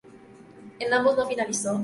En ambos no finalizó.